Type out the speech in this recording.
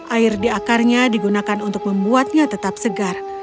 air di akarnya digunakan untuk membuatnya tetap segar